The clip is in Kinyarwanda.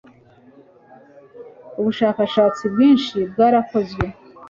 ubushakashatsi bwinshi bwarakozwe